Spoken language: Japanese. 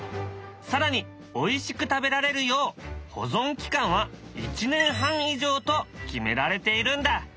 更においしく食べられるよう保存期間は１年半以上と決められているんだ。